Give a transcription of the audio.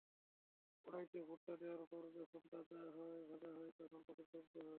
কড়াইতে ভুট্টা দেওয়ার পর যখন ভাজা হয়, - তখন প্রচুর শব্দ করে।